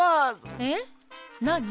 えっなに？